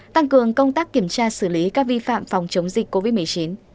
tăng cường công tác kiểm tra xử lý các vi phạm phòng chống dịch covid một mươi chín